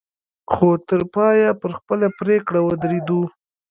خو تر پايه پر خپله پرېکړه ودرېدو.